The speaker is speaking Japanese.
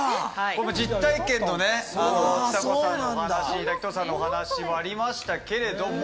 実体験のねちさ子さんのお話滝藤さんのお話もありましたけれども。